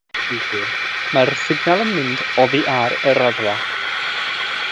Yn nhermau lleygwyr, mae'r signal yn mynd “oddi ar y raddfa”.